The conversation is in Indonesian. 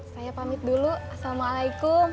saya pamit dulu assalamualaikum